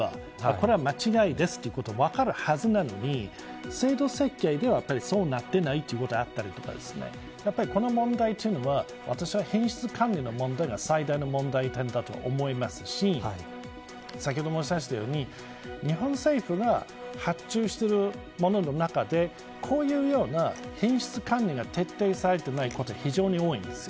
漢字とカタカナで同じなのかどうかこれは間違いですというのは分かるはずなのに制度設計でそうなっていないというのが出ていたりこの問題というのは品質管理の問題が最大の問題点だと思いますし先ほども言いましたように日本政府が発注しているものの中でこういう品質管理が徹底されていないことが非常に多いんです。